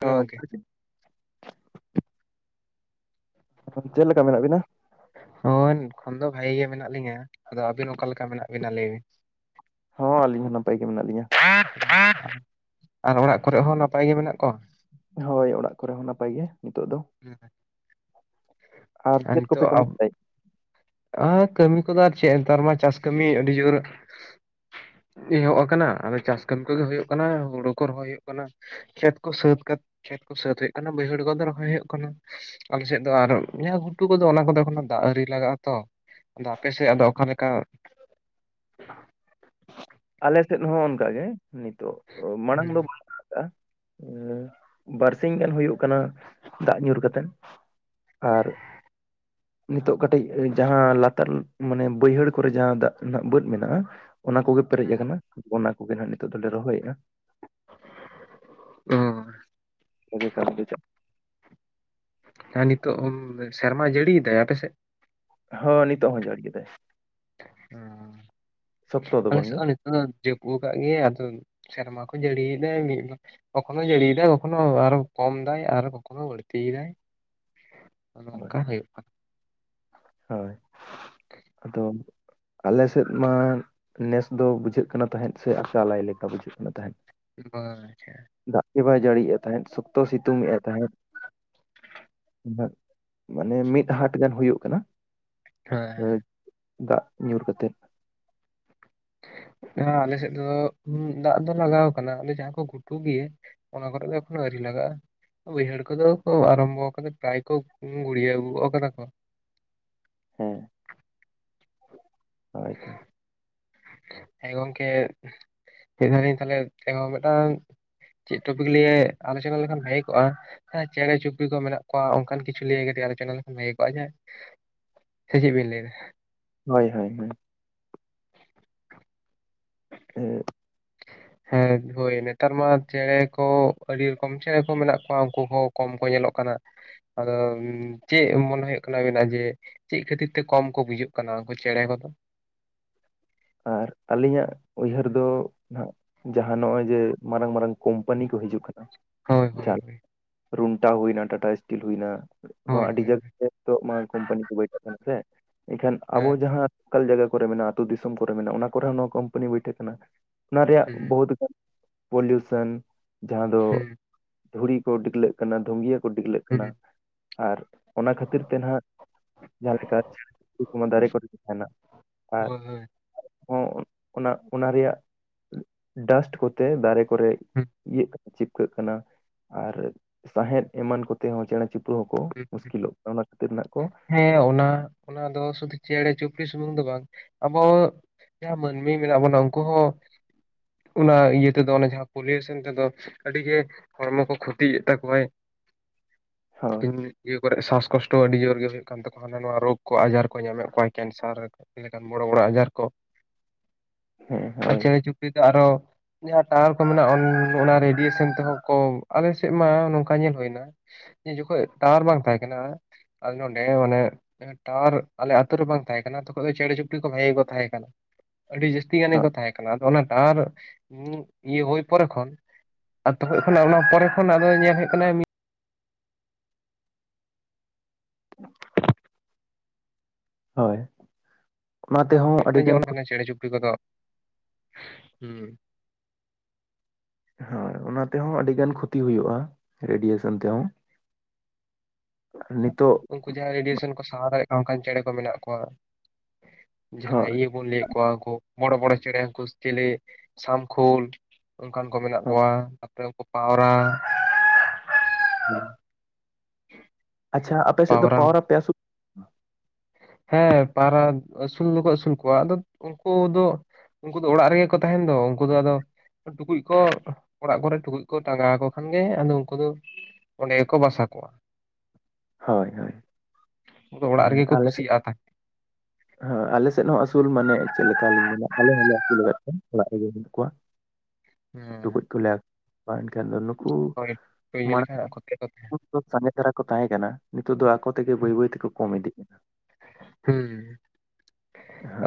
ᱦᱳᱭ [unintelligible] ᱪᱮᱫ ᱞᱮᱠᱟ ᱢᱮᱱᱟᱜ ᱵᱤᱱᱟ? ᱦᱳᱭ ᱮᱠᱷᱚᱱ ᱫᱚ ᱵᱷᱟᱜᱮ ᱜᱮ ᱢᱮᱱᱟᱜ ᱞᱤᱧᱟ, ᱟᱫᱚ ᱟᱹᱵᱤᱱ ᱚᱠᱟ ᱞᱮᱠᱟ ᱢᱮᱱᱟᱜ ᱵᱤᱱᱟ ᱞᱟᱹᱭ ᱵᱤᱱ? ᱦᱚᱸ, ᱟᱹᱞᱤᱧ ᱦᱚᱸ ᱱᱟᱯᱟᱭ ᱜᱮ ᱢᱮᱱᱟᱜ ᱞᱤᱧᱟ᱾ ᱟᱨ ᱚᱲᱟᱜ ᱠᱚᱨᱮ ᱦᱚᱸ, ᱱᱟᱯᱟᱭ ᱜᱮ ᱢᱮᱱᱟᱜ ᱠᱚᱣᱟ? ᱦᱳᱭ, ᱚᱲᱟᱜ ᱠᱚᱨᱮ ᱦᱚᱸ ᱱᱟᱯᱟᱭ ᱜᱮ ᱱᱤᱛᱚᱜ ᱫᱚ᱾ ᱦᱮᱸᱮ [unintelligible] ᱦᱸ [inaudible] ᱟᱨ ᱪᱮᱫ ᱠᱚᱯᱮ ᱠᱟᱹᱢᱤᱭᱮᱫ ᱛᱟᱦᱮᱡ? ᱟᱨ ᱠᱟᱹᱢᱤ ᱠᱚᱫᱚ ᱟᱨ ᱪᱮᱜ, ᱱᱮᱛᱟᱨ ᱢᱟ ᱪᱟᱥ ᱠᱟᱹᱢᱤ ᱟᱹᱰᱤ ᱡᱳᱨ ᱮᱦᱚᱵ ᱠᱟᱱᱟ, ᱟᱫᱚ ᱪᱟᱥ ᱠᱟᱹᱢᱤ ᱠᱚᱜᱮ ᱦᱳᱭᱳᱜ ᱠᱟᱱᱟ, ᱦᱳᱲᱳ ᱠᱚ ᱨᱚᱦᱚᱭ ᱦᱳᱭᱳᱜ ᱠᱟᱱᱟ᱾ ᱠᱷᱮᱛ ᱠᱚ ᱥᱟᱹᱛ ᱠᱟᱛᱮ ᱠᱷᱮᱛ ᱠᱚ ᱥᱟᱹᱛ ᱦᱳᱭᱳᱜ ᱠᱟᱱᱟ, ᱵᱟᱹᱭᱦᱟᱹᱲ ᱠᱚᱫᱚ ᱨᱚᱦᱚᱭ ᱦᱳᱭᱳᱜ ᱠᱟᱱᱟ᱾ ᱟᱞᱮᱥᱮᱫ ᱫᱚ ᱟᱨ ᱱᱤᱭᱟᱹ, ᱜᱷᱩᱴᱩ ᱠᱚᱫᱚ ᱚᱱᱟ ᱠᱚᱫᱚ ᱮᱠᱷᱚᱱᱳ ᱫᱟᱜ ᱟᱨᱤ ᱞᱟᱜᱟᱜᱼᱟ᱾ ᱛᱚ, ᱟᱫᱚ ᱟᱯᱮᱥᱮᱜ ᱟᱫᱚ ᱚᱠᱟ ᱞᱮᱠᱟ? ᱟᱞᱮ ᱥᱮᱫ ᱦᱚᱸ ᱚᱱᱠᱟ ᱜᱮ, ᱱᱤᱛᱚᱜ ᱢᱟᱲᱟᱝ ᱫᱚ ᱦᱩᱸ ᱵᱟᱝ ᱚᱱᱠᱟ ᱵᱟᱨᱥᱤᱧ ᱜᱟᱱ ᱦᱩᱭᱩᱜ ᱠᱟᱱᱟ ᱫᱟᱜ ᱧᱩᱨ ᱠᱟᱛᱮ᱾ ᱟᱨ, ᱱᱤᱛᱚᱜ ᱠᱟᱹᱴᱤᱡ ᱡᱟᱦᱟᱸ, ᱞᱟᱛᱟᱨ ᱢᱟᱱᱮ ᱵᱟᱹᱭᱦᱟᱹᱲ ᱠᱚᱨᱮ ᱡᱟᱦᱟᱸ ᱫᱟᱜ ᱨᱮᱱᱟᱜ ᱵᱟᱹᱫᱽ ᱢᱮᱱᱟᱜᱼᱟ ᱚᱱᱟ ᱠᱚᱜᱮ ᱯᱮᱨᱮᱡ ᱟᱠᱟᱱᱟ, ᱚᱱᱟ ᱠᱚᱜᱮ ᱦᱟᱸᱜ ᱱᱤᱛᱚᱜ ᱫᱚᱞᱮ ᱨᱚᱦᱚᱭᱮᱼᱟ᱾ ᱚ, ᱠᱷ [inaudible] ᱦᱮ ᱱᱤᱛᱚᱜ ᱦᱚᱸ ᱥᱮᱨᱢᱟ ᱡᱟᱹᱲᱤᱭᱮᱫᱟᱭ ᱟᱯᱮᱥᱮᱫ? ᱦᱳ ᱱᱤᱛᱚᱜ ᱦᱚᱸ ᱡᱟᱲᱤ ᱠᱮᱫᱟ᱾ ᱚᱸ ᱥᱚᱠᱛᱚ ᱫᱚ ᱟᱞᱮ ᱥᱮᱜ ᱵᱟᱝᱜᱮ ᱦᱚᱸ ᱟᱸ ᱡᱟᱹᱯᱩᱫ ᱟᱠᱟᱫ ᱜᱮᱭᱟ ᱟᱫᱚ ᱥᱮᱨᱢᱟ ᱠᱚ ᱡᱟᱹᱲᱤᱭᱮᱫᱟᱭ ᱢᱤᱫ ᱠᱚᱠᱷᱚᱱᱳ ᱡᱟᱹᱲᱤᱭ ᱫᱟᱭ ᱠᱚᱠᱷᱚᱱᱳ ᱟᱨᱚ ᱠᱚᱢ ᱫᱟᱭ ᱟᱨ ᱠᱚᱠᱷᱚᱱᱳ ᱵᱟᱹᱲᱛᱤᱭ ᱫᱟᱭ [inaudible] ᱱᱚᱝᱠᱟ ᱦᱩᱭᱩᱜ ᱠᱟᱱᱟ᱾ ᱦᱳᱭ ᱟᱫᱚ ᱟᱞ ᱥᱮᱫ ᱢᱟ ᱱᱮᱥ ᱫᱚ ᱵᱩᱡᱷᱟᱹᱜ ᱠᱟᱱᱟ ᱛᱟᱦᱮᱸᱫ ᱥᱮ ᱟᱠᱟᱞᱟᱭ ᱞᱮᱠᱟ ᱵᱩᱡᱷᱟᱹᱜ ᱠᱟᱱᱟ ᱛᱟᱦᱮᱸᱫ ᱵᱟᱹᱪᱷᱟ ᱫᱟᱜ ᱜᱮ ᱵᱟᱭ ᱡᱟᱹᱲᱤᱭ ᱮ ᱛᱟᱦᱮᱸᱫ ᱥᱚᱠᱛᱚ ᱥᱤᱛᱩᱝ ᱮᱫ ᱛᱟᱦᱮᱸᱫ ᱢᱟᱱᱮ ᱢᱤᱫ ᱦᱟᱴ ᱜᱟᱱ ᱦᱩᱭᱩᱜ ᱠᱟᱱᱟ ᱟᱹᱡ ᱫᱟᱜ ᱧᱩᱨ ᱠᱟᱛᱮᱫ᱾ ᱦᱮᱸ ᱟᱞᱮ ᱥᱮᱫ ᱫᱚ ᱫᱟᱜ ᱫᱚ ᱞᱟᱜᱟᱣ ᱠᱟᱱᱟ ᱟᱞᱮ ᱡᱟᱦᱟᱸ ᱠᱚ ᱜᱷᱩᱴᱩ ᱜᱮᱭᱟ ᱚᱱᱟ ᱠᱚᱨᱮ ᱫᱚ ᱮᱠᱷᱚᱱᱳ ᱟᱹᱣᱨᱤ ᱞᱟᱜᱼᱟ ᱵᱟᱭᱸᱦᱟᱲ ᱠᱚᱫᱚ ᱠᱚ ᱟᱨᱟᱢᱵᱚ ᱠᱟᱫᱟ ᱯᱨᱟᱭ ᱠᱚ ᱜᱩᱲᱭᱹᱟᱶ ᱜᱚᱜ ᱠᱟᱫᱟ ᱠᱚ ᱦᱩᱸ ᱦᱚᱭᱛᱚ [unintelligible] ᱪᱮᱫ ᱴᱚᱯᱤᱠ ᱞᱤᱭᱮ ᱟᱞᱳᱪᱚᱱᱟ ᱞᱮᱠᱷᱟᱱ ᱵᱷᱟᱜᱮ ᱠᱚᱜᱼᱟ ᱦᱮᱸ ᱪᱮᱬᱮ ᱪᱩᱯᱲᱤ ᱠᱚ ᱢᱮᱱᱟᱜ ᱠᱚᱣᱟ ᱚᱱᱠᱟᱱ ᱠᱤᱪᱷᱩ ᱞᱟᱹᱭᱮ ᱜᱮ ᱠᱟᱹᱴᱤᱡ ᱟᱞᱳᱪᱚᱱᱟ ᱞᱮᱠᱷᱟᱱ ᱵᱷᱟᱜᱮ ᱠᱚᱜᱼᱟ ᱡᱮᱸ ᱥᱮ ᱪᱮᱫ ᱵᱤᱱ ᱞᱟᱹᱭ ᱫᱟ ᱦᱳᱭ ᱦᱳᱭ ᱦᱳᱭ ᱦ ᱚᱸᱜᱼᱚᱸᱜ [inaudible] ᱦᱮᱸ ᱦᱳᱭ ᱱᱮᱛᱟᱨ ᱢᱟ ᱪᱮᱬᱮ ᱠᱚ ᱟᱹᱰᱤ ᱨᱚᱠᱚᱢ ᱪᱮᱬᱮ ᱠᱚ ᱢᱮᱱᱟᱜ ᱠᱚᱣᱟ ᱩᱱᱠᱩ ᱦᱚᱸ ᱠᱚᱢ ᱠᱚ ᱧᱮᱞᱚᱜ ᱠᱟᱱᱟ ᱟᱫᱚ ᱪᱮᱫ ᱢᱚᱱᱮ ᱦᱳᱭᱳᱜ ᱠᱟᱱᱟ ᱟᱵᱮᱱᱟᱜ ᱡᱮ ᱪᱮᱫ ᱠᱷᱟᱹᱛᱤᱨ ᱛᱮ ᱠᱚᱢ ᱠᱚ ᱵᱩᱡᱩᱜ ᱠᱟᱱᱟ ᱩᱱᱠᱩ ᱪᱮᱬᱮ ᱠᱚᱫᱚ? ᱟᱨ ᱟᱹᱞᱤᱧᱟᱜ ᱩᱭᱦᱟᱹᱨ ᱫᱚ ᱱᱟᱦᱟᱜ ᱡᱟᱦᱟᱸ ᱱᱚᱜᱼᱚᱭ ᱡᱮ ᱢᱟᱨᱟᱝ ᱢᱟᱨᱟᱝ ᱠᱳᱢᱯᱟᱱᱤ ᱠᱚ ᱦᱤᱡᱩᱜ ᱠᱟᱱᱟ ᱦᱳᱭ ᱦᱳᱭ ᱪᱟᱞ ᱦᱳᱭ ᱨᱩᱱᱴᱟ ᱦᱩᱭᱱᱟ ᱴᱟᱴᱟ ᱥᱴᱤᱞ ᱦᱩᱭᱱᱟ ᱱᱚᱣᱟ ᱦᱳᱭ ᱟᱹᱰᱤ ᱦᱳᱭ ᱠᱳᱢᱯᱟᱱᱤ ᱠᱚ ᱵᱟᱹᱭᱰᱚᱜ ᱠᱟᱱᱟ ᱥᱮ ᱤᱠᱷᱟᱹᱱ ᱟᱵᱚ ᱦᱮᱸ ᱡᱟᱦᱟᱸᱼᱼ ᱞᱚᱠᱟᱞ ᱡᱟᱭᱜᱟ ᱠᱚᱨᱮ ᱢᱮᱱᱟᱜᱼᱟ ᱟᱹᱛᱩ ᱫᱤᱥᱚᱢ ᱠᱚᱨᱮ ᱢᱮᱱᱟᱜᱼᱟ ᱚᱱᱟ ᱠᱚᱨᱮ ᱦᱚᱸ ᱱᱚᱣᱟ ᱠᱳᱢᱯᱟᱱᱤ ᱵᱟᱹᱭᱴᱷᱟᱹᱜ ᱠᱟᱱᱟ ᱚᱱᱟ ᱨᱮᱭᱟᱜ ᱦᱩᱸ ᱵᱚᱦᱩᱛ ᱜᱟᱱ ᱯᱚᱞᱩᱭᱩᱥᱚᱱ ᱡᱟᱦᱟᱸ ᱫᱚ ᱦᱩᱸ ᱫᱷᱩᱲᱤ ᱠᱚ ᱰᱤᱠᱞᱟᱹᱜ ᱠᱟᱱᱟ ᱫᱷᱩᱜᱤᱭᱟᱹ ᱠᱚ ᱰᱤᱜᱽᱞᱟᱹᱜ ᱠᱟᱱᱟ ᱦᱩᱸ ᱟᱨ ᱚᱱᱟ ᱠᱷᱟᱹᱛᱤᱨ ᱛᱮ ᱱᱟᱦᱟᱜ ᱡᱟᱦᱟᱸ ᱞᱮᱠᱟ ᱫᱟᱨᱮ ᱠᱚ ᱴᱷᱤᱠ ᱛᱟᱦᱮᱱᱟ ᱟᱨ ᱦᱳᱭ ᱦᱳᱭ ᱦᱚᱸ ᱚᱱᱟ ᱚᱱᱟ ᱨᱮᱭᱟᱜ ᱰᱟᱥᱴ ᱠᱚᱛᱮ ᱫᱟᱨᱮ ᱠᱚ ᱠᱚᱨᱮ ᱦᱩᱸ ᱤᱭᱟᱹᱜ ᱠᱟᱱᱟ ᱪᱤᱯᱠᱟᱹᱜ ᱠᱟᱱᱟ ᱟᱨ ᱥᱟᱸᱟᱦᱮᱫ ᱮᱢᱟᱱ ᱠᱚᱛᱮ ᱦᱚᱸ ᱪᱮᱬᱮ ᱪᱩᱯ ᱛᱚ ᱠᱚ ᱦᱩᱸ ᱢᱩᱥᱠᱤᱞᱚᱜ ᱠᱟᱱᱟ ᱚᱱᱟ ᱠᱷᱟᱹᱛᱤᱨ ᱱᱟᱜ ᱠᱚ ᱦᱮᱸ ᱚᱱᱟ ᱚᱱᱟ ᱫᱚ ᱥᱩᱫᱷᱩ ᱪᱮᱬᱮ ᱪᱩᱯᱲᱤ ᱥᱩᱢᱩᱝ ᱫᱚ ᱵᱟᱝ ᱟᱵᱚ ᱡᱟᱦᱟᱸ ᱢᱟᱹᱱᱢᱤ ᱢᱮᱱᱟᱜ ᱵᱚᱱᱟ ᱩᱱᱠᱩ ᱦᱚᱸ ᱚᱱᱟ ᱤᱭᱟᱹ ᱛᱮᱫᱚ ᱚᱱᱮ ᱡᱟᱦᱟᱸ ᱯᱚᱞᱤᱭᱮᱥᱚᱱ ᱛᱮᱫᱚ ᱟᱹᱰᱤᱜᱮ ᱦᱚᱲᱢᱚ ᱠᱚ ᱠᱷᱚᱛᱤᱭᱮᱫ ᱛᱟᱠᱚᱣᱟᱭ ᱦᱳᱭ ᱤᱥᱴᱤᱢᱞᱤ ᱤᱭᱟᱹ ᱠᱚᱨᱮ ᱥᱟᱥ ᱠᱚᱥᱴᱚ ᱟᱹᱰᱤ ᱡᱳᱨᱜᱮ ᱦᱳᱭᱳᱜ ᱠᱟᱱ ᱛᱟᱠᱚᱣᱟ ᱦᱟᱱᱟ ᱱᱟᱣᱟ ᱨᱳᱜᱽ ᱠᱚ ᱟᱡᱟᱨ ᱠᱚ ᱧᱟᱢᱮᱫ ᱠᱚᱣᱟ ᱠᱮᱱᱥᱟᱨ ᱞᱮᱠᱟᱱ ᱵᱚᱲᱚ ᱵᱚᱲᱚ ᱟᱡᱟᱨ ᱠᱚ ᱦᱮᱸ ᱟᱨ ᱦᱳᱭ ᱪᱮᱬᱮ ᱪᱩᱯᱲᱤ ᱫᱚ ᱟᱨᱚ ᱡᱟᱦᱟᱸ ᱴᱟᱣᱟᱨ ᱠᱚ ᱢᱮᱱᱟᱜᱼᱟ ᱚᱱᱟ ᱨᱮᱰᱤᱭᱳᱥᱮᱱᱴᱟᱨ ᱦᱚᱸᱠᱚ ᱟᱞᱮᱥᱮᱫ ᱢᱟ ᱱᱚᱝᱠᱟ ᱧᱮᱞ ᱦᱳᱭᱱᱟ᱾ ᱡᱮ ᱡᱚᱠᱷᱚᱡ ᱴᱟᱣᱟᱨ ᱵᱟᱝ ᱛᱟᱦᱮᱸ ᱠᱟᱱᱟ ᱟᱞᱮ ᱱᱚᱱᱰᱮ ᱢᱟᱱᱮ ᱴᱟᱣᱟᱨ ᱟᱞᱮ ᱟᱛᱳ ᱨᱮ ᱵᱟᱝ ᱛᱟᱦᱮᱸ ᱠᱟᱱᱟ ᱛᱚᱠᱷᱚᱡ ᱫᱚ ᱪᱮᱬᱮ ᱪᱩᱯᱲᱤ ᱠᱚ ᱵᱷᱟᱜᱮ ᱜᱮᱠᱚ ᱛᱟᱦᱮᱸ ᱠᱟᱱᱟ᱾ ᱟᱹᱰᱤ ᱡᱟᱹᱥᱛᱤ ᱜᱟᱱ ᱦᱳᱭ ᱜᱮᱠᱚ ᱛᱟᱦᱮᱸ ᱠᱟᱱᱟ ᱟᱫᱚ ᱚᱱᱟ ᱴᱟᱣᱟᱨ ᱤᱭᱟᱹ ᱦᱳᱭ ᱯᱚᱨᱮ ᱠᱷᱚᱱ ᱛᱚᱠᱷᱚᱡ ᱠᱷᱚᱱᱟᱜ ᱚᱱᱟ ᱯᱚᱨᱮ ᱠᱷᱚᱱ ᱟᱫᱚ ᱧᱮᱞ ᱦᱳᱭᱜ ᱠᱟᱱᱟ ᱦᱳᱭ ᱚᱱᱟ ᱛᱮᱦᱚᱸ ᱟᱹᱰᱤᱜᱟᱱ ᱠᱷᱚᱛᱤ, ᱪᱮᱬᱮ ᱪᱩᱯᱲᱤ ᱠᱚᱫᱚ ᱦᱩᱸ ᱦᱳᱭ ᱚᱱᱟ ᱛᱮᱦᱚᱸ ᱟᱹᱰᱤ ᱜᱟᱱ ᱠᱷᱩᱛᱤ ᱦᱩᱭᱩᱜᱼᱟ ᱨᱮᱰᱤᱭᱮᱥᱚᱱ ᱛᱮᱦᱚᱸ᱾ ᱱᱤᱛᱚᱜ ᱩᱱᱠᱩ ᱡᱟᱦᱟᱸᱭ ᱨᱮᱰᱤᱭᱮᱥᱚᱱ ᱠᱚ ᱥᱟᱦᱟᱣ ᱫᱟᱲᱮᱭᱟᱜ ᱠᱟᱱᱟ ᱚᱱᱠᱟᱱ ᱪᱮᱬᱮ ᱠᱚ ᱢᱮᱱᱟᱜ ᱠᱚᱣᱟ᱾ ᱡᱟᱦᱟᱸᱭ ᱦᱳᱭ ᱤᱭᱟᱹ ᱵᱚᱱ ᱞᱟᱹᱭᱮᱜ ᱠᱚᱣᱟ ᱩᱱᱠᱩ, ᱵᱚᱲᱚ ᱵᱚᱲᱚ ᱪᱮᱬᱮ ᱪᱮᱞᱮ ᱥᱟᱢᱠᱷᱳᱞ᱾ ᱚᱱᱠᱟᱱ ᱠᱚ ᱢᱮᱱᱟᱜ ᱠᱚᱣᱟ ᱛᱟᱯᱚᱨᱮ ᱩᱱᱠᱩ ᱯᱟᱣᱨᱟ [unintelligible] ᱟᱪᱪᱷᱟ ᱟᱯᱮ ᱥᱮᱫ ᱫᱚ ᱯᱟᱣᱨᱟ ᱯᱮ [inaudible] ᱦᱮᱸ ᱯᱟᱣᱨᱟ ᱟᱹᱥᱩᱞ ᱫᱚᱠᱚ ᱟᱹᱥᱩᱞ ᱠᱚᱣᱟ ᱟᱫᱚ ᱩᱱᱠᱩ ᱫᱚ᱾ ᱩᱱᱠᱩ ᱫᱚ ᱚᱲᱟᱜ ᱨᱮᱜᱮ ᱠᱚ ᱛᱟᱦᱮᱱ ᱫᱚ ᱩᱱᱠᱩ ᱫᱚ ᱟᱫᱚ ᱴᱩᱠᱩᱡ ᱠᱚ᱾ ᱚᱲᱟᱜ ᱠᱚᱨᱮ ᱴᱩᱠᱩᱡ ᱠᱚ ᱴᱟᱸᱟᱜᱟᱣ ᱟᱠᱚ ᱠᱷᱟᱱ ᱜᱮ ᱟᱫᱚ ᱩᱱᱠᱩ ᱫᱚ ᱚᱸᱰᱮ ᱜᱮᱠᱚ ᱵᱟᱥᱟ ᱠᱚᱜᱼᱟ᱾ ᱦᱳᱭ ᱦᱳᱭ ᱚᱲᱟᱜ ᱦᱮᱸ ᱨᱮᱜᱮ ᱠᱚ ᱟᱞᱮ ᱥᱮᱫ ᱠᱩᱥᱤᱭᱟᱜᱼᱟ ᱦᱮᱸ ᱟᱞᱮ ᱥᱮᱫ ᱦᱚᱸ ᱟᱹᱥᱩᱞ ᱢᱟᱱᱮ ᱪᱮᱫ ᱞᱮᱠᱟ ᱞᱤᱧ ᱢᱮᱱᱟ ᱟᱞᱮ ᱦᱚᱸᱞᱮ, ᱟᱹᱥᱩᱞᱠᱟᱫ ᱠᱚᱣᱟ ᱚᱲᱟᱜ ᱨᱮᱜᱮ ᱢᱮᱱᱟᱜ ᱠᱚᱣᱟ᱾ ᱴᱩᱠᱩ ᱠᱚᱞᱮ ᱠᱷᱮᱱ ᱫᱚ ᱠᱚ ᱦᱮᱸ ᱦᱳᱭ ᱤᱭᱟᱹ ᱢᱟᱲᱟᱝ ᱞᱮᱠᱷᱟᱱ ᱟᱠᱚ ᱛᱮᱜᱮ ᱠᱚ ᱛᱟᱦᱮᱱᱟ ᱥᱟᱸᱜᱮ ᱫᱷᱟᱨᱟ ᱠᱚ ᱛᱟᱦᱮᱸ ᱠᱟᱱᱟ ᱱᱤᱛᱚᱜ ᱫᱚ ᱟᱠᱚ ᱛᱮᱜᱮ ᱵᱟᱹᱭ ᱵᱟᱹᱭ ᱛᱮᱠᱚ ᱠᱚᱢ ᱤᱫᱤᱜ ᱠᱟᱱᱟ᱾ ᱦᱩᱸ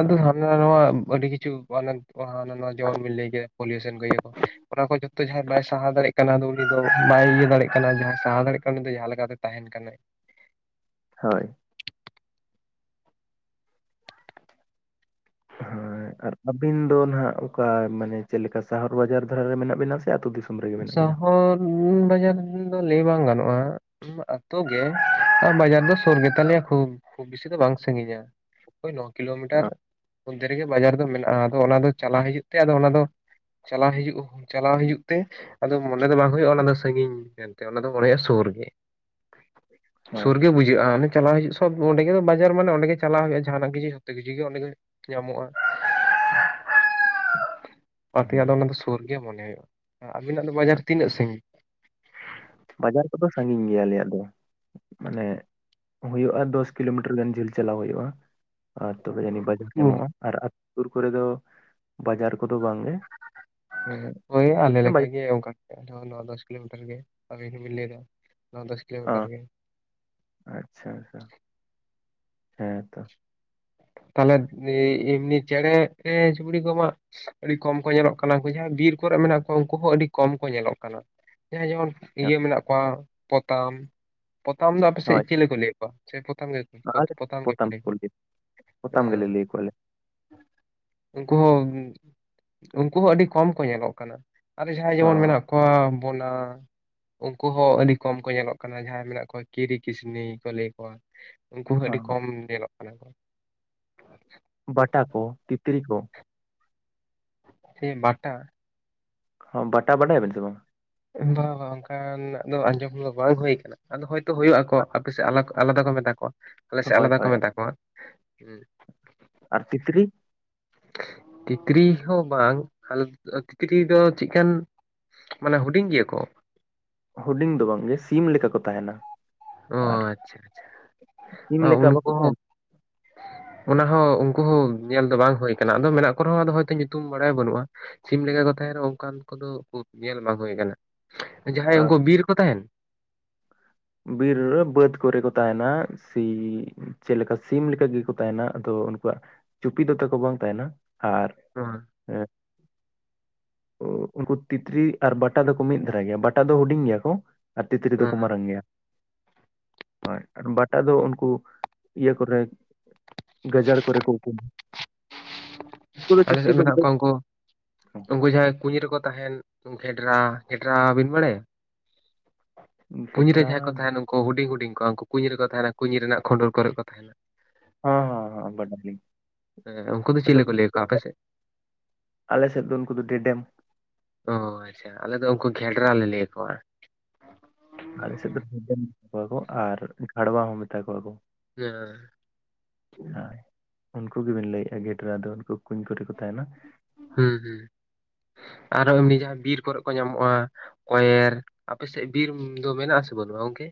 ᱟᱫᱚ ᱦᱟᱱᱟ ᱱᱚᱣᱟ ᱟᱹᱰᱤ ᱠᱤᱪᱷᱩ ᱦᱟᱱᱟ ᱱᱟ ᱡᱮᱢᱚᱱ ᱵᱤᱱ ᱞᱟᱹᱭᱠᱮᱜ ᱯᱚᱞᱤᱭᱩᱥᱚᱱ ᱠᱚ ᱤᱭᱟᱹ ᱠᱚ ᱚᱱᱟ ᱠᱚ ᱡᱚ [inaudible] ᱡᱟᱦᱟᱸᱭ ᱵᱟᱭ ᱥᱟᱦᱟᱣ ᱫᱟᱲᱮᱭᱟᱜ ᱠᱟᱱᱟ ᱩᱱᱤ ᱫᱚ, ᱵᱟᱭ ᱤᱭᱟᱹ ᱫᱟᱲᱮᱜ ᱠᱟᱱᱟ ᱡᱟᱦᱟᱸᱭ ᱥᱟᱦᱟᱣ ᱫᱟᱲᱮᱭᱟᱜ ᱠᱟᱱᱟ ᱩᱱᱤ ᱫᱚ ᱡᱟᱦᱟᱸ ᱞᱮᱠᱟᱛᱮ ᱛᱟᱦᱮᱱ ᱠᱟᱱᱟ᱾ ᱦᱳᱭ ᱦᱳᱭ ᱟᱨ ᱟᱹᱵᱤᱱ ᱫᱚ ᱱᱟᱜ ᱚᱠᱟ ᱢᱟᱱᱮ ᱪᱮᱫ ᱞᱮᱠᱟ ᱥᱟᱦᱚᱨ ᱵᱟᱡᱟᱨ ᱫᱷᱟᱨᱮ ᱨᱮ ᱢᱮᱱᱟᱜ ᱵᱤᱱᱟ ᱥᱮ ᱟᱹᱛᱩ ᱫᱤᱥᱚᱢ᱾ ᱨᱮᱜᱮ ᱢᱮᱱᱟᱜ ᱵᱤᱱᱟ ᱥᱚᱦᱚᱨ ᱵᱟᱡᱟᱨ ᱫᱚ ᱞᱟᱹᱭ ᱵᱟᱝ ᱜᱟᱱᱚᱜᱼᱟ᱾ ᱟᱛᱳ ᱜᱮ ᱵᱟᱡᱟᱨ ᱫᱚ ᱥᱩᱨ ᱜᱮᱛᱟᱞᱮᱭᱟ ᱠᱷᱩᱵ ᱠᱷᱩᱵ ᱵᱮᱥᱤ ᱫᱚ ᱵᱟᱝ ᱥᱟᱺᱜᱤᱧᱟ᱾ ᱳᱭ ᱱᱚ ᱠᱤᱞᱳᱢᱤᱴᱟᱨ ᱚ, ᱢᱚᱫᱽᱫᱷᱮ ᱨᱮᱜᱮ ᱵᱟᱡᱟᱨ ᱫᱚ ᱢᱮᱱᱟᱜᱼᱟ᱾ ᱟᱫᱚ ᱚᱱᱟ ᱫᱚ ᱪᱟᱞᱟᱣ ᱦᱤᱡᱩᱜ ᱛᱮ ᱟᱫᱚ ᱚᱱᱟ ᱫᱚ ᱪᱟᱞᱟᱣ ᱦᱤᱡᱩᱜ ᱪᱟᱞᱟᱣ ᱦᱤᱡᱩᱜ᱾ ᱛᱮ ᱟᱫᱚ ᱢᱚᱱᱮ ᱫᱚ ᱵᱟᱝ ᱦᱩᱭᱩᱜᱼᱟ ᱚᱱᱟ ᱫᱚ ᱥᱟᱺᱜᱤᱧ ᱢᱮᱱᱛᱮ ᱚᱱᱟ ᱫᱚ ᱢᱚᱱᱮ ᱦᱩᱭᱩᱜᱼᱟ ᱥᱩᱨ ᱜᱮ᱾ ᱦᱮᱸ ᱥᱩᱨ ᱜᱮ ᱵᱩᱡᱷᱟᱹᱜᱼᱟ ᱚᱱᱮ ᱪᱟᱞᱟᱣ ᱦᱩᱭᱩᱜ ᱚᱸᱰᱮ ᱜᱮ ᱫᱚ ᱵᱟᱡᱟᱨ ᱢᱟᱱᱮ ᱚᱸᱰᱮ ᱜᱮ ᱪᱟᱞᱟᱜ ᱦᱩᱭᱩᱜᱼᱟ ᱡᱟᱦᱟᱱᱟᱜ ᱠᱤᱪᱷᱩ ᱡᱚᱛᱚ ᱠᱤᱪᱷᱩ ᱜᱮ ᱚᱸᱰᱮ ᱜᱮ ᱧᱟᱢᱚᱜᱼᱟ᱾ [unintelligible] ᱚᱱᱛᱮᱭᱟᱜ ᱫᱚ ᱚᱱᱟ ᱫᱚ ᱥᱩᱨ ᱜᱮ ᱢᱚᱱᱮ ᱦᱩᱭᱩᱜᱼᱟ ᱟᱵᱤᱱᱟᱜ ᱫᱚ ᱵᱟᱡᱟᱨ ᱛᱤᱱᱟᱹᱜ ᱥᱟᱺᱜᱤᱧ᱾ ᱵᱟᱡᱟᱨ ᱠᱚᱫᱚ ᱥᱟᱺᱜᱤᱧ ᱜᱮᱭᱟ ᱟᱞᱮᱭᱟᱜ ᱫᱚ ᱢᱟᱱᱮ᱾ ᱦᱩᱭᱩᱜᱼᱟ ᱫᱚᱥ ᱠᱤᱞᱳᱢᱤᱴᱟᱨ ᱜᱟᱱ ᱡᱷᱟᱹᱞ ᱪᱟᱞᱟᱣ ᱦᱩᱭᱩᱜᱼᱟ, ᱟᱨ ᱛᱚᱲᱮ ᱡᱟᱹᱱᱤᱡ ᱵᱟᱡᱟᱨ ᱧᱟᱢᱚᱜᱼᱟ᱾ ᱟᱨ ᱟᱹᱛ ᱯᱩᱨ ᱠᱚᱨᱮ ᱫᱚ ᱵᱟᱡᱟᱨ ᱠᱚᱫᱚ ᱵᱟᱝ ᱜᱮ᱾ ᱳᱭ ᱟᱞᱮ ᱞᱮᱠᱟ ᱜᱮ ᱚᱱᱠᱟ ᱱᱚ ᱫᱚᱥ ᱠᱤᱞᱳᱢᱤᱴᱟᱨ ᱜᱮ ᱟᱵᱤᱱ ᱦᱚᱸᱵᱤᱱ ᱞᱟᱹᱭ ᱮᱟ ᱱᱚ ᱫᱚᱥ᱾ ᱚ ᱠᱤᱞᱳᱢᱤᱴᱟᱨ ᱜᱮ ᱟᱪᱪᱷᱟ ᱟᱪᱪᱷᱟ ᱦᱮᱸ ᱛᱚ ᱛᱟᱦᱞᱮ ᱮᱻ ᱮᱢᱱᱤ ᱪᱮᱬᱮ ᱮ ᱪᱩᱯᱲᱤ ᱠᱚᱢᱟ ᱟᱹᱰᱤ ᱠᱚᱢ ᱠᱚ ᱧᱮᱞᱚᱜ ᱠᱟᱱᱟ ᱩᱱᱠᱩ ᱡᱟᱦᱟᱸᱭ ᱵᱤᱨ ᱠᱚᱨᱮ ᱢᱮᱱᱟᱜ ᱠᱚᱣᱟ ᱩᱱᱠᱩ ᱦᱚᱸ ᱟᱹᱰᱤ ᱠᱚᱢ ᱠᱚ ᱧᱮᱞᱚᱜ ᱠᱟᱱᱟ᱾ ᱡᱟᱦᱟᱸᱭ ᱡᱮᱢᱚᱱ ᱦᱮᱸ, ᱤᱭᱟᱹ ᱢᱮᱱᱟᱜ ᱠᱚᱣᱟ ᱯᱚᱛᱟᱢ, ᱯᱚᱛᱟᱢ ᱫᱚ ᱟᱯᱮᱥᱮᱫ ᱪᱤᱞᱤ ᱠᱚ ᱞᱟᱹᱭᱮᱫ ᱠᱚᱣᱟ᱾ ᱥᱮ ᱯᱚᱛᱟᱢ ᱜᱮ ᱟᱻ ᱜᱮᱯᱮ ᱯᱚᱛᱟᱢ ᱞᱟᱹᱭ ᱠᱚ ᱠᱚᱣᱟ ᱜᱮ ᱯᱚᱛᱟᱢ ᱜᱮᱞᱮ ᱞᱟᱹᱭ ᱠᱚᱣᱟᱞᱮ ᱩᱱᱠᱩ ᱦᱚᱸ ᱩᱱᱠᱩ ᱦᱚᱸ ᱟᱹᱰᱤ ᱠᱚᱢ ᱠᱚ ᱧᱮᱞᱚᱜ ᱠᱟᱱᱟ᱾ ᱟᱨᱮ ᱡᱟᱦᱟᱸᱭ ᱡᱮᱢᱚᱱ ᱦᱚᱸ ᱢᱮᱱᱟᱜ ᱠᱚᱣᱟ ᱵᱚᱱᱟ᱾ ᱩᱱᱠᱩ ᱦᱚᱸ ᱟᱹᱰᱤ ᱠᱚᱢ ᱠᱚ ᱧᱮᱞᱚᱜ ᱠᱟᱱᱟ ᱡᱟᱦᱟᱸᱭ ᱢᱮᱱᱟᱜ ᱠᱚᱣᱟ ᱠᱤᱨᱤ ᱠᱤᱥᱱᱤ ᱠᱚ ᱞᱟᱹᱭ ᱠᱚᱣᱟ᱾ ᱩᱱᱠᱩ ᱦᱚᱸ ᱟᱹᱰᱤ ᱠᱚᱢ ᱧᱮᱞᱚᱜ ᱠᱟᱱᱟ ᱠᱚ ᱵᱟᱴᱟ ᱠᱚ ᱛᱤᱛᱨᱤ ᱠᱚ ᱥᱮ ᱵᱟᱴᱟ ᱦᱚᱸ ᱵᱟᱴᱟ ᱵᱟᱰᱟᱭᱟᱵᱮᱱ ᱥᱮ ᱵᱟᱝ᱾ [unintelligible] ᱵᱟ ᱵᱟᱝ ᱚᱱᱠᱟᱱᱟᱜ ᱫᱚ ᱟᱸᱡᱚᱢ ᱫᱚ ᱵᱟᱝ ᱦᱩᱭ ᱟᱠᱟᱱᱟ᱾ ᱟᱫᱚ ᱦᱳᱭᱛᱳ ᱦᱩᱭᱩᱜᱼᱟ ᱟᱠᱚ, ᱟᱯᱮ ᱥᱮᱫ ᱟᱞᱟᱠ ᱟᱞᱟᱫᱟ ᱠᱚ ᱢᱮᱛᱟ ᱠᱚᱣᱟ ᱟᱞᱮ ᱥᱮᱫ ᱦᱳᱭ ᱟᱞᱟᱫᱟ ᱠᱚ ᱦᱳᱭ ᱢᱮᱛᱟ ᱠᱚᱣᱟ ᱦᱩᱸ᱾ ᱟᱨ ᱛᱤᱛᱨᱤ? ᱛᱤᱛᱨᱤ ᱦᱚᱸ ᱵᱟᱝ ᱟ ᱛᱤᱛᱨᱤ ᱫᱚ ᱪᱮᱫᱠᱟᱱ ᱢᱟᱱᱮ ᱦᱩᱰᱤᱧ ᱜᱮᱭᱟ ᱠᱚ᱾ ᱦᱩᱰᱤᱝ ᱫᱚ ᱵᱟᱝ ᱜᱮ ᱥᱤᱢ ᱞᱮᱠᱟ ᱠᱚ ᱛᱟᱦᱮᱱᱟ᱾ ᱚ ᱟᱨ ᱟᱪᱪᱷᱟ ᱟᱪᱪᱷᱟ ᱥᱤᱢ ᱚ ᱞᱮᱠᱟ ᱩᱱᱠᱩ ᱵᱟᱠᱚ ᱦᱚᱸ ᱛᱟᱦᱮᱱᱟ ᱚᱱᱟᱦᱚᱸ ᱩᱱᱠᱩ ᱦᱚᱸ ᱧᱮᱞ ᱫᱚ ᱵᱟᱝ ᱦᱩᱭ ᱠᱟᱱᱟ ᱟᱫᱚ ᱢᱮᱱᱟᱜ ᱠᱚ ᱨᱮᱦᱚᱸ ᱟᱫᱚ ᱦᱳᱭᱛᱚ ᱧᱩᱛᱩᱢ ᱵᱟᱲᱟᱭ ᱵᱟᱹᱱᱩᱜᱼᱟ᱾ ᱥᱤᱢ ᱞᱮᱠᱟ ᱠᱚ ᱛᱟᱦᱮᱱ ᱨᱮᱦᱚᱸ ᱚᱱᱠᱟᱱ ᱠᱚᱫᱚ ᱩᱠᱩᱨ ᱧᱮᱞ ᱵᱟᱝ ᱦᱩᱭ ᱟᱠᱟᱱᱟ᱾ ᱡᱟᱦᱟᱸᱭ ᱟᱨ ᱩᱱᱠᱩ ᱵᱤᱨ ᱠᱚ ᱛᱟᱦᱮᱱ? ᱵᱤᱨ ᱨᱮ ᱵᱟᱹᱫᱽ ᱠᱚᱨᱮ ᱠᱚ ᱛᱟᱦᱮᱱᱟ᱾ ᱥᱤ ᱪᱮᱫ ᱞᱮᱠᱟ ᱥᱤᱢ ᱞᱮᱠᱟ ᱜᱮᱠᱚ ᱛᱟᱦᱮᱱᱟ, ᱟᱫᱚ ᱩᱱᱠᱩᱣᱟᱜ ᱪᱩᱯᱤᱫ ᱫᱚ ᱛᱟᱠᱚ ᱵᱟᱝ ᱛᱟᱦᱮᱱᱟ ᱟᱨ ᱦᱮᱸ ᱦᱮᱸ ᱳᱸ ᱩᱱᱠᱩ ᱛᱤᱛᱨᱤ ᱟᱨ ᱵᱟᱴᱟ ᱫᱚᱠᱚ ᱢᱤᱫ ᱫᱷᱟᱨᱟ ᱜᱮᱭᱟ, ᱵᱟᱴᱟ ᱫᱚ ᱦᱩᱰᱤᱧ ᱜᱮᱭᱟ ᱠᱚ ᱟᱨ ᱛᱤᱛᱨᱤ ᱫᱚᱠᱚ ᱦᱮᱸ ᱢᱟᱨᱟᱝ ᱜᱮᱭᱟ᱾ ᱦᱳᱭ ᱟᱨ ᱵᱟᱴᱟ ᱫᱚ ᱩᱱᱠᱩ ᱤᱭᱟᱹ ᱠᱚᱨᱮ ᱜᱟᱡᱟᱲ ᱠᱚᱨᱮ ᱠᱚ ᱩᱠᱩ, ᱩᱱᱠᱩ ᱫᱚ ᱟᱞᱮ ᱡᱟᱹᱥᱛᱤ ᱥᱮᱫ ᱫᱚ ᱢᱮᱱᱟᱜ ᱠᱚᱣᱟ ᱩᱱᱠᱩ ᱜᱮᱭᱟ ᱠᱚ᱾ ᱩᱱᱠᱩ ᱡᱟᱦᱟᱸᱭ ᱠᱩᱧ ᱨᱮᱠᱚ ᱛᱟᱦᱮᱱ ᱩᱱ ᱜᱷᱮᱰᱨᱟ, ᱜᱷᱮᱰᱨᱟ ᱵᱤᱱ ᱵᱟᱲᱟᱭᱟ? ᱠᱩᱸᱧ ᱨᱮ ᱥᱮᱴᱨᱟ ᱡᱟᱦᱟᱸᱭ ᱠᱚ ᱦᱚᱸ ᱛᱟᱦᱮᱱᱟ ᱩᱱᱠᱩ ᱦᱩᱰᱤᱧ ᱦᱩᱰᱤᱧ ᱠᱚ ᱦᱟᱱᱠᱩ ᱠᱩᱸᱧ ᱨᱮᱠᱚ ᱛᱟᱦᱮᱱᱟ ᱠᱩᱸᱧ ᱨᱮᱱᱟᱜ ᱠᱷᱩᱸᱰᱩᱨ ᱠᱚᱨᱮ ᱠᱚ ᱛᱟᱦᱮᱱᱟ᱾ ᱦᱚᱸ ᱦᱚᱸ ᱦᱚᱸ ᱵᱟᱰᱟᱭᱟᱞᱤᱧ᱾ ᱦᱮᱸ ᱩᱱᱠᱩ ᱫᱚ ᱪᱤᱞᱮ ᱠᱚ ᱞᱟᱹᱭ ᱠᱚᱣᱟ ᱟᱯᱮᱥᱮᱫ? ᱟᱞᱮᱥᱮᱫ ᱫᱚ ᱩᱱᱠᱩ ᱫᱚ ᱰᱮᱰᱮᱢ᱾ ᱚ ᱟᱪᱪᱷᱟ, ᱟᱞᱮᱫ ᱫᱚ ᱩᱱᱠᱩ ᱜᱷᱮᱰᱨᱟ ᱞᱮ ᱞᱟᱹᱭ ᱟᱠᱚᱣᱟ᱾ ᱟᱞᱮ ᱥᱮᱫ ᱫᱚ ᱰᱷᱮᱰᱮᱢ ᱢᱮᱛᱟ ᱠᱚᱣᱟ ᱠᱚ ᱟᱨ ᱜᱷᱟᱲᱣᱟ ᱦᱚᱸ ᱢᱮᱛᱟ ᱠᱚᱣᱟ ᱠᱚ᱾ ᱦᱮᱸ᱾ ᱦᱳ ᱩᱱᱠᱩ ᱜᱮᱵᱤᱱ ᱞᱟᱹᱭᱮᱫᱼᱟ, ᱜᱮᱰᱨᱟ ᱫᱚ ᱩᱱᱠᱩ ᱠᱩᱧ ᱠᱚᱨᱮ ᱠᱚ ᱛᱟᱦᱮᱱᱟ᱾ ᱦᱮᱸ ᱦᱩᱸ, ᱟᱨᱚ ᱮᱢᱱᱤ ᱡᱟᱦᱟᱸ ᱵᱤᱨ ᱠᱚᱨᱮ ᱠᱚ ᱧᱟᱢᱚᱜᱼᱟ ᱠᱚᱭᱮᱨ ᱟᱯᱮᱥᱮᱫ ᱵᱤᱨ ᱫᱚ ᱢᱮᱱᱟᱜ ᱟᱥᱮ ᱵᱟᱹᱱᱩᱜᱼᱟ, ᱜᱚᱢᱠᱮ?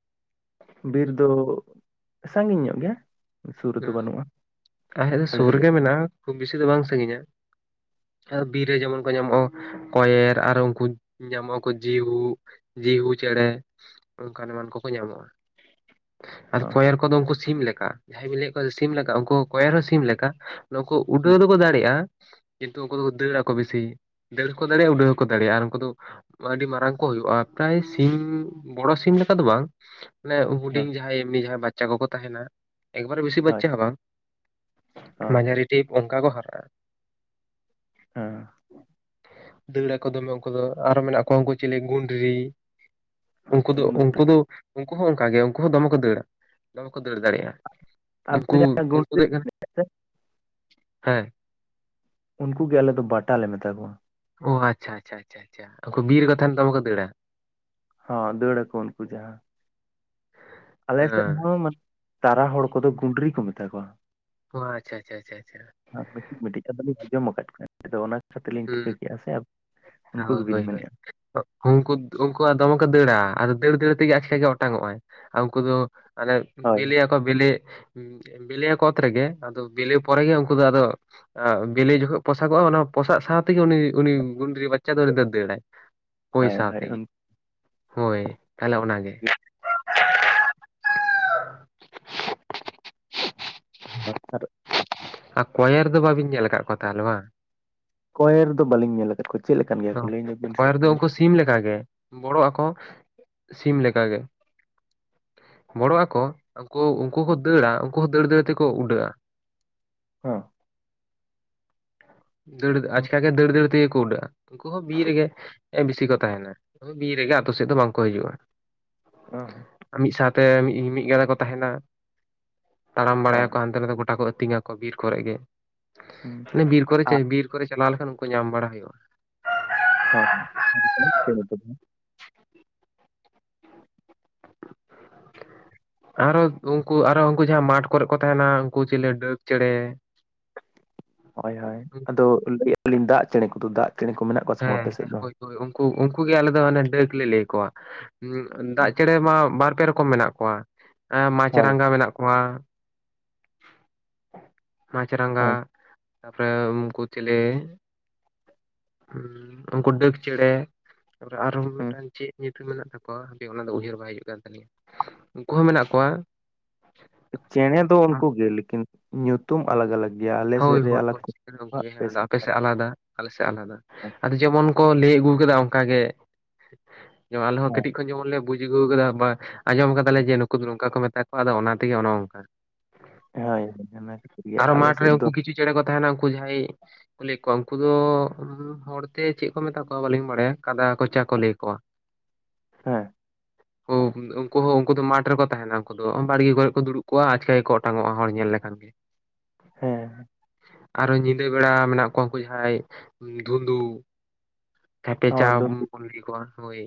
ᱵᱤᱨ ᱫᱚ ᱥᱟᱺᱜᱤᱧ ᱧᱚᱜ ᱜᱮᱭᱟ᱾ ᱥᱩᱨ ᱨᱮᱫᱚ ᱦᱩᱸ ᱵᱟᱹᱱᱩᱜᱼᱟ ᱟᱞᱮ ᱫᱚ ᱥᱩᱨ ᱨᱮᱜᱮ ᱢᱮᱱᱟᱜᱼᱟ, ᱠᱷᱩᱵᱽ ᱵᱮᱥᱤ ᱫᱚ ᱵᱟᱝ ᱥᱟᱺᱜᱤᱧᱟ᱾ ᱵᱤᱨ ᱨᱮ ᱡᱮᱢᱚᱱ ᱠᱚ ᱧᱟᱢᱚᱜᱼᱟ, ᱠᱚᱭᱮᱨ ᱟᱨᱚ ᱩᱱᱠᱩ ᱧᱟᱢᱚᱜᱼᱟ᱾ ᱡᱤᱦᱩ, ᱡᱤᱦᱩ ᱪᱮᱸᱬᱮ ᱚᱱᱠᱟᱱ ᱮᱢᱟᱱ ᱠᱚᱠᱚ ᱧᱟᱢᱚᱜᱼᱟ᱾ ᱟᱨ ᱠᱚᱭᱮᱨ ᱠᱚᱫᱚ ᱩᱱᱠᱩ ᱥᱤᱢ ᱞᱮᱠᱟ ᱡᱟᱦᱟᱸᱭ ᱵᱮᱱ ᱞᱟᱹᱭᱮᱫ ᱠᱚᱣᱟ ᱥᱤᱢ ᱞᱮᱠᱟ ᱩᱱᱠᱩ ᱠᱚᱭᱮᱨ ᱦᱚᱸ ᱥᱤᱢ ᱞᱮᱠᱟ᱾ ᱱᱩᱠᱩ ᱩᱰᱷᱟᱹᱣ ᱫᱚᱠᱚ ᱫᱟᱲᱮᱭᱟᱜᱼᱟ᱾ ᱠᱤᱱᱛᱩ ᱩᱱᱠᱩ ᱫᱚᱠᱚ ᱫᱟᱹᱲᱟ ᱠᱚ ᱵᱮᱥᱤ ᱫᱟᱹᱲ ᱦᱚᱸᱠᱚ ᱫᱟᱲᱮᱭᱟᱜᱼᱟ, ᱩᱰᱟᱹ ᱦᱚᱸᱠᱚ ᱫᱟᱲᱮᱭᱟᱜᱼᱟ ᱟᱨ ᱩᱱᱠᱩ ᱫᱚ ᱟᱹᱰᱤ ᱢᱟᱨᱟᱝ ᱠᱚ ᱦᱳᱜᱼᱟ, ᱯᱨᱟᱭ ᱥᱤᱢ ᱵᱚᱲᱚ ᱥᱤᱢ ᱞᱮᱠᱟ ᱫᱚ ᱵᱟᱝ? ᱢᱟᱱᱮ ᱦᱳᱭ ᱦᱩᱰᱤᱧ ᱡᱟᱦᱟᱸᱭ ᱮᱢᱱᱤ ᱡᱟᱦᱟᱸᱭ ᱵᱟᱪᱪᱟ ᱠᱚᱠᱚ ᱛᱟᱦᱮᱱᱟ, ᱮᱠᱵᱟᱨᱮ ᱵᱤᱥᱤ ᱦᱳᱭ ᱵᱟᱪᱪᱟ ᱦᱚᱸ ᱵᱟᱝ᱾ ᱦᱳᱭ ᱢᱟᱡᱟᱨᱤᱴᱤᱵ ᱚᱱᱠᱟ ᱠᱚ ᱦᱟᱨᱟᱜᱼᱟ᱾ ᱦᱮᱸ᱾ ᱫᱟᱹᱲᱟ ᱠᱚ ᱫᱚᱢᱮ ᱩᱱᱠᱩ ᱫᱚ ᱟᱨᱚ ᱢᱮᱱᱟᱜ ᱠᱚᱣᱟ ᱩᱱᱠᱩ ᱪᱮᱞᱮ ᱜᱩᱸᱰᱨᱤ ᱩᱱᱠᱩ ᱫᱚ ᱩᱱᱠᱩ ᱫᱚ ᱩᱱᱠᱩ ᱦᱚᱸ ᱚᱱᱠᱟ ᱜᱮ ᱩᱱᱠᱩ ᱦᱚᱸ ᱫᱚᱢᱮ ᱠᱚ ᱫᱟᱹᱲᱟ ᱫᱚᱢᱮ ᱠᱚ ᱫᱟᱹᱲ ᱫᱟᱲᱮᱭᱟᱜᱼᱟ᱾ ᱩᱱᱠᱩ ᱟᱵᱤᱱ ᱡᱟᱦᱟᱸ ᱜᱩᱸᱰ ᱩᱱᱠᱩ ᱫᱮᱡ ᱠᱟᱱᱟ ᱦᱮᱸ᱾ ᱩᱱᱠᱩ ᱜᱮ ᱟᱞᱮ ᱫᱚ ᱵᱟᱴᱟᱞ ᱞᱮ ᱢᱮᱛᱟ ᱠᱚᱣᱟ᱾ ᱚ ᱟᱪᱪᱷᱟ, ᱟᱪᱪᱷᱟ, ᱟᱪᱪᱷᱟ, ᱟᱪᱪᱷᱟ, ᱵᱤᱨ ᱨᱮ ᱠᱚ ᱛᱟᱦᱮᱸᱱᱟ ᱫᱚᱢᱮ ᱠᱚ ᱫᱟᱹᱲᱟ᱾ ᱦᱚᱸ ᱫᱟᱹᱲ ᱟᱠᱚ ᱩᱱᱠᱩ ᱫᱚᱦᱟᱜ ᱟᱞᱮ ᱥᱮᱫ ᱦᱮᱸ ᱦᱚᱸᱢᱟᱱᱮ ᱛᱟᱨᱟ ᱦᱚᱲ ᱠᱚᱫᱚ ᱜᱩᱰᱨᱤ ᱠᱚ ᱢᱮᱛᱟ ᱠᱚᱣᱟ᱾ ᱚ ᱟᱪᱪᱷᱟ ᱟᱪᱪᱷᱟ ᱟᱪᱪᱷᱟ ᱾ ᱦᱚᱸ ᱢᱤᱴᱤᱡ ᱢᱤᱴᱤᱡ ᱠᱟᱛᱷᱟ ᱞᱤᱧ ᱟᱡᱚᱢ ᱟᱠᱟᱫᱟ ᱟᱫᱚ ᱚᱱᱟ ᱠᱷᱟᱹᱛᱤᱨ ᱞᱤᱧ ᱦᱩᱸ ᱦᱩᱸ ᱴᱷᱤᱠᱟᱹ ᱠᱮᱫᱼᱟ ᱥᱮ ᱩᱱᱠᱩ ᱦᱳᱭ ᱜᱮᱵᱤᱱ ᱦᱳᱭ ᱦᱳᱭ ᱢᱮᱱᱮᱫᱼᱟ᱾ ᱩᱱᱠᱩ ᱩᱱᱠᱩᱣᱟᱜ ᱫᱚᱢᱮ ᱠᱚ ᱫᱟᱹᱲᱟ ᱟᱫᱚ ᱫᱟᱹᱲ ᱫᱟᱹᱲ ᱛᱮᱜᱮ ᱟᱪᱠᱟ ᱜᱮ ᱚᱴᱟᱝ ᱚᱜ ᱟᱭ ᱟᱨ ᱩᱱᱠᱩ ᱫᱚ ᱟᱱᱮ ᱦᱳᱭ ᱵᱤᱞᱤ ᱟᱠᱚ ᱵᱤᱞᱤᱼᱼ ᱵᱤᱞᱤᱭᱟᱠᱚ ᱚᱛ ᱨᱮᱜᱮ ᱟᱫᱚ ᱵᱤᱞᱤ ᱯᱚᱨᱮᱜᱮ ᱩᱱᱠᱩ ᱫᱚ ᱟᱫᱚ, ᱵᱤᱞᱤ ᱡᱚᱠᱷᱚᱱ ᱯᱚᱥᱟᱜᱚᱜᱼᱟ ᱚᱱᱟᱼᱼ ᱯᱚᱥᱟᱜ ᱥᱟᱶᱛᱮᱜᱮ ᱩᱱᱤ-ᱩᱱᱤ ᱜᱩᱸᱰᱨᱤ ᱵᱟᱪᱟ ᱫᱚ ᱩᱱᱤ ᱫᱚ ᱫᱟᱹᱲᱟᱭ ᱦᱩᱭ ᱦᱳᱭ ᱦᱳᱭ ᱥᱟᱶᱛᱮᱜᱮ᱾ ᱩᱱᱠᱩ ᱦᱳᱭ ᱛᱟᱦᱚᱞᱮ ᱚᱱᱟᱜ ᱜᱮ᱾ ᱟᱨ᱾ ᱟᱨ ᱠᱚᱭᱮᱨ ᱫᱚ ᱵᱟᱹᱵᱤᱱ ᱧᱮᱞ ᱟᱠᱟᱫ ᱠᱚᱣᱟ ᱛᱟᱦᱚᱞᱮ ᱵᱟᱝ? ᱠᱚᱭᱮᱨ ᱫᱚ ᱵᱟᱹᱞᱤᱧ ᱧᱮᱞ ᱟᱠᱟᱫ ᱠᱚᱣᱟ ᱪᱮᱫ ᱞᱮᱠᱟᱱ ᱜᱮᱭᱟ ᱠᱚ ᱞᱟᱹᱭ ᱧᱚᱜ ᱵᱤᱱ ᱥᱮᱼᱼ ᱚᱱᱠᱟᱜᱮ, ᱵᱚᱲᱚᱜ ᱟᱠᱚ ᱥᱤᱢ ᱞᱮ ᱞᱮᱠᱟ ᱜᱮ᱾ ᱵᱚᱲᱚᱜ ᱟᱠᱚ ᱩᱱᱠᱩ, ᱩᱱᱠᱩ ᱠᱚ ᱫᱟᱹᱲᱟ, ᱩᱱᱠᱩ ᱦᱚᱸ ᱫᱟᱹᱲ ᱫᱟᱹᱲ ᱛᱮᱠᱚ ᱩᱰᱟᱹᱜᱼᱟ᱾ ᱦᱮᱸ᱾ ᱫᱟᱹᱲ ᱦᱚᱸ ᱟᱪᱠᱟ ᱜᱮ ᱫᱟᱹᱲᱼ ᱫᱟᱹᱲ ᱛᱮᱜᱮ ᱠᱚ ᱩᱰᱟᱹᱜᱼᱟ, ᱩᱱᱠᱩ ᱦᱚᱸ ᱵᱤᱨ ᱨᱮᱜᱮ ᱵᱮᱥᱤ ᱠᱚ ᱛᱟᱦᱮᱱᱟ᱾ ᱵᱤᱨ ᱨᱮᱜᱮ ᱟᱛᱳ ᱥᱮᱫ ᱫᱚ ᱵᱟᱝᱠᱚ ᱦᱤᱡᱩᱜᱼᱟ᱾ ᱚᱦ᱾ ᱟᱨ ᱢᱤᱫ ᱥᱟᱶᱛᱮ ᱢᱤᱫ ᱜᱟᱫᱟ ᱠᱚ ᱛᱟᱦᱮᱱᱟ, ᱛᱟᱲᱟᱢ ᱦᱳᱭ ᱵᱟᱲᱟᱭᱟᱠᱚ ᱦᱟᱱᱛᱮ ᱱᱟᱛᱮ ᱜᱚᱴᱟ ᱠᱚ ᱟᱹᱛᱤᱧᱟ ᱾ ᱵᱤᱨ ᱠᱚᱨᱮ ᱜᱮ, ᱦᱩᱸ ᱢᱟᱱᱮ ᱵᱤᱨ ᱠᱚᱨᱮ ᱪᱮ ᱟᱨ ᱵᱤᱨ ᱠᱚᱨᱮ ᱪᱟᱞᱟᱣ ᱞᱮᱠᱷᱟᱱ ᱩᱱᱠᱩ ᱧᱟᱢ ᱵᱟᱲᱟ ᱦᱩᱭᱩᱜᱼᱟ᱾ ᱦᱳᱭ᱾ [unintelligible] [unintelligible] ᱟᱨᱚ ᱩᱱᱠᱩ ᱟᱨᱚ ᱩᱱᱠᱩ ᱡᱟᱦᱟᱸᱭ ᱢᱟᱴᱷ ᱠᱚᱨᱮ ᱠᱚ ᱛᱟᱦᱮᱱᱟ ᱩᱱᱠᱩ ᱪᱤᱞᱤ ᱰᱟᱹᱠ ᱪᱮᱬᱮᱼᱼ ᱦᱳᱭ-ᱦᱳᱭ ᱟᱫᱚ ᱞᱟᱹᱭᱮᱜᱞᱤᱧ ᱫᱟᱜ ᱪᱮᱬᱮ ᱠᱚᱫᱚ ᱫᱟᱜ ᱪᱮᱬᱮ ᱠᱚ ᱢᱮᱱᱟᱜ ᱠᱚᱼᱼ ᱦᱮᱸ- ᱦᱮᱸ ᱦᱳᱭ-ᱦᱳᱭ ᱩᱱᱠᱩ, ᱩᱱᱠᱩ ᱜᱮ ᱟᱞᱮ ᱫᱚ ᱰᱟᱹᱠ ᱞᱮ ᱞᱟᱹᱭ ᱠᱚᱣᱟ᱾ ᱦᱩᱜ ᱫᱟᱜ ᱪᱮᱬᱮ ᱢᱟ ᱵᱟᱨᱯᱮ ᱨᱚᱠᱚᱢ ᱢᱮᱱᱟᱜ ᱠᱚᱣᱟ, ᱮ ᱢᱟᱪ ᱦᱳᱭ ᱨᱟᱸᱜᱟ ᱢᱮᱱᱟᱜ ᱠᱚᱣᱟᱼᱼ ᱢᱟᱪ ᱨᱟᱸᱜᱟ ᱦᱳᱭ ᱛᱟᱯᱚᱨᱮ ᱩᱱᱠᱩ ᱪᱤᱞᱤᱼᱼ ᱦᱩ ᱩᱱᱠᱩ ᱰᱟᱹᱠ ᱪᱮᱬᱮ ᱛᱟᱯᱚᱨᱮ ᱟᱨᱦᱚ ᱦᱩᱸ ᱢᱤᱫᱴᱟᱝ ᱪᱮᱫ ᱧᱩᱛᱩᱢᱼᱼ ᱴᱷᱤᱠ ᱢᱮᱱᱟᱜ ᱛᱟᱠᱚᱣᱟ ᱦᱟᱯᱮ ᱚᱱᱟ ᱫᱚ ᱩᱭᱦᱟᱹᱨ ᱵᱟᱭ ᱦᱤᱡᱩᱜ ᱠᱟᱱ ᱛᱟᱞᱤᱧᱟ ᱩᱱᱠᱩ ᱦᱚᱸ ᱢᱮᱱᱟᱜ ᱠᱚᱣᱟ, ᱪᱮᱸᱬᱮ ᱫᱚ ᱩᱱᱠᱩ ᱜᱮ ᱞᱮᱠᱤᱱ ᱧᱩᱛᱩᱢ ᱟᱞᱟᱜ-ᱟᱞᱟᱜ᱾ ᱦᱳᱭ-ᱦᱳᱭ ᱥᱮᱫ ᱟᱯᱮ ᱟᱞᱟᱜᱽ ᱥᱮᱜ ᱟᱞᱟᱫᱟ, ᱟᱞᱮ ᱥᱮᱫ ᱟᱞᱟᱫᱟ ᱠᱚ᱾ ᱟᱫᱚ ᱡᱮᱢᱚᱱ ᱠᱚ ᱞᱟᱹᱭ ᱟᱹᱜᱩ ᱟᱠᱟᱫᱟ ᱚᱱᱠᱟ ᱜᱮ ᱟᱞᱮ ᱦᱚᱸ ᱠᱟᱹᱴᱤᱡ ᱠᱷᱚᱱ ᱡᱮᱢᱚᱱ ᱞᱮ ᱵᱩᱡ ᱟᱹᱜᱩ ᱟᱠᱟᱫᱟ ᱵᱟ ᱟᱸᱡᱚᱢ ᱟᱠᱟᱫᱟ ᱞᱮ ᱡᱮ ᱱᱩᱠ ᱩᱱᱠᱩ ᱫᱚ ᱱᱚᱝᱠᱟ ᱠᱚ ᱢᱮᱛᱟ ᱠᱚᱣᱟ ᱟᱫᱚ ᱚᱱᱟ ᱛᱮᱜᱮ ᱚᱱᱮ ᱚᱝᱠᱟ, ᱦᱳᱭ ᱚᱱᱟ ᱠᱷᱟᱹᱛᱤᱨ ᱜᱮ ᱟᱞᱮ ᱥᱮᱫ ᱫᱚ ᱪᱩ ᱪᱮᱸᱬᱮ ᱠᱚ ᱛᱟᱦᱮᱱᱟ ᱩᱱᱠᱩ ᱡᱟᱦᱟᱭ ᱠᱚ ᱞᱟᱹᱭ ᱠᱚᱣᱟ ᱩᱱᱠᱩ ᱫᱚ ᱦᱚᱲᱛᱮ ᱪᱮᱫ ᱠᱚ ᱢᱮᱛᱟ ᱠᱚᱣᱟ ᱵᱟᱹᱞᱤᱧ ᱵᱟᱲᱟᱭᱟ ᱠᱟᱫᱟ ᱠᱚᱪᱟ ᱠᱚ ᱞᱟᱹᱭ ᱠᱚᱣᱟ, ᱦᱮᱸ᱾ ᱠᱚ ᱩᱱᱠᱩ ᱦᱚᱸ ᱩᱱᱠᱩ ᱫᱚ ᱢᱟᱴᱷ ᱨᱮᱠᱚ ᱛᱟᱦᱮᱱᱟ, ᱩᱱᱠᱩ ᱫᱚ ᱵᱟᱲᱜᱮ ᱠᱚᱨᱮ ᱠᱚ ᱫᱩᱲᱩᱵ ᱠᱚᱜᱼᱟ ᱟᱪᱠᱟ ᱜᱮᱠᱚ ᱚᱴᱟᱝ ᱚᱜᱼᱟ ᱦᱚᱲ ᱧᱮᱞ ᱞᱮᱠᱷᱟᱱ ᱜᱮ, ᱦᱮᱸ᱾ ᱟᱨ ᱦᱚᱸ ᱧᱤᱫᱟᱹ ᱵᱮᱲᱟ ᱢᱮᱱᱟᱜ ᱠᱚᱣᱟ ᱩᱱᱠᱩ ᱡᱟᱦᱟᱸᱭ ᱫᱷᱩᱸᱫᱩ᱾ ᱟᱯᱮ ᱦᱚᱸ ᱡᱟᱢ ᱫᱩᱸᱫᱩ ᱠᱩᱞᱤ ᱠᱚᱣᱟ ᱱᱩᱭ᱾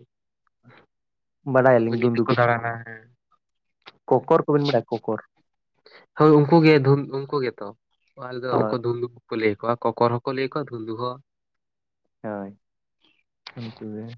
ᱩᱱᱠᱩ ᱵᱟᱰᱟᱭᱟᱞᱤᱧ ᱱᱤᱛ ᱫᱩᱸᱫᱩ ᱠᱚ ᱫᱟᱬᱟᱱᱟ ᱦᱮᱸ᱾ ᱠᱚᱠᱚᱨ ᱠᱚᱵᱤᱱ ᱵᱟᱰᱟᱭᱟ ᱠᱚᱠᱚᱨ ᱦᱳᱭ ᱩᱱᱠᱩ ᱜᱮ ᱫᱷᱩᱱ ᱩᱱᱠᱩ ᱜᱮᱛᱚ ᱟᱞᱮ ᱫᱚ ᱦᱳᱭ ᱩᱱᱠᱩ ᱫᱷᱩᱱᱫᱩ ᱠᱚ ᱞᱟᱹᱭ ᱠᱚᱣᱟ ᱠᱚᱠᱚᱨ ᱦᱚᱸ ᱠᱚ ᱞᱟᱹᱭ ᱠᱚᱣᱟ ᱫᱷᱩᱱᱫᱩ ᱦᱚᱸ ᱦᱳᱭ ᱩᱱᱠᱩ ᱜᱮ᱾